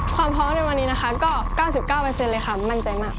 ความพร้อมในวันนี้นะคะก็๙๙เลยค่ะมั่นใจมาก